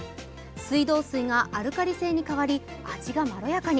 水道水がアルカリ性に変わり、味がまろやかに。